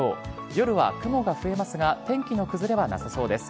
夜は雲が増えますが、天気の崩れはなさそうです。